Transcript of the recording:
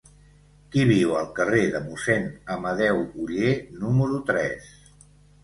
Qui viu al carrer de Mossèn Amadeu Oller número tres?